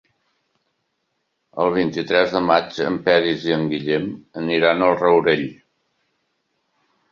El vint-i-tres de maig en Peris i en Guillem aniran al Rourell.